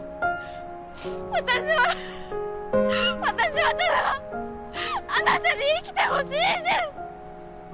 私は私はただあなたに生きてほしいんです！